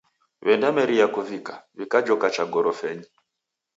W'endameria kuvika, w'ikajoka cha gorofenyi.